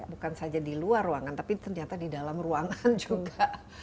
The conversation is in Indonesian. bukan saja di luar ruangan tapi ternyata di dalam ruangan juga